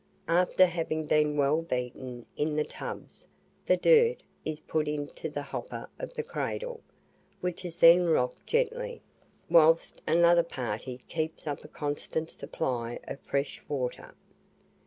After having been well beaten in the tubs, the "dirt" is put into the hopper of the cradle, which is then rocked gently, whilst another party keeps up a constant supply of fresh water.